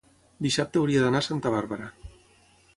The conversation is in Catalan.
dissabte hauria d'anar a Santa Bàrbara.